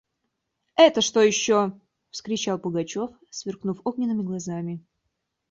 – Это что еще! – вскричал Пугачев, сверкнув огненными глазами.